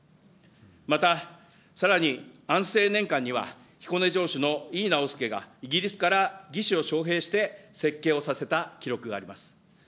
また、さらにあんせい年間には彦根城主の井伊直弼が、イギリスからを招へいして、設計をさせた記録があります。